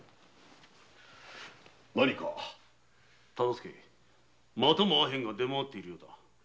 忠相またもアヘンが出回っているようだ。